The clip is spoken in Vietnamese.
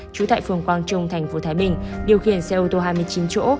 trú tại phường quang trung thành phố thái bình điều khiển xe ô tô hai mươi chín chỗ